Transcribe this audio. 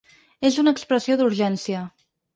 És una expressió d’urgència.